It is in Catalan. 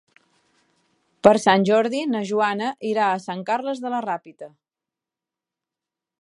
Per Sant Jordi na Joana irà a Sant Carles de la Ràpita.